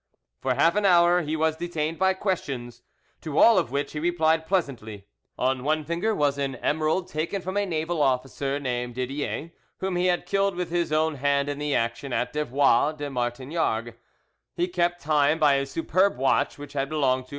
For half an hour he was detained by questions, to all of which he replied pleasantly. On one finger was an emerald taken from a naval officer named Didier, whom he had killed with his own hand in the action at Devois de Martignargues; he kept time by a superb watch which had belonged to M.